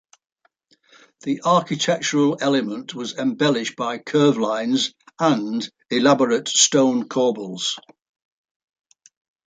The architectural element was embellished by curve lines and elaborate stone corbels.